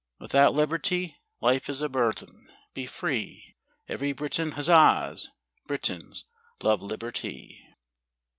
Without liberty, life is a burthen—Be free, Every Briton huzzas! Britons love liberty.